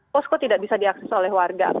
posko tidak bisa diakses oleh warga